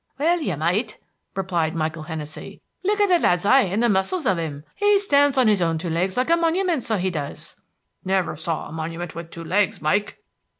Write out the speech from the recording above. "Well, ye might," replied Michael Hennessey. "Look at the lad's eye, and the muscles of him. He stands on his own two legs like a monumint, so he does." "Never saw a monument with two legs, Mike."